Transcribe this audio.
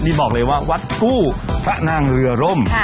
นี่บอกเลยว่าวัดกู้พระนางเรือร่ม